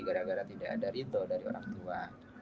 gara gara tidak ada ridho dari orang tua